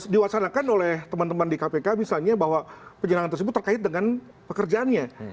diwacanakan oleh teman teman di kpk misalnya bahwa penyerangan tersebut terkait dengan pekerjaannya